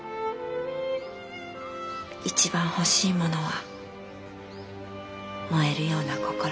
一番欲しいものは燃えるような心。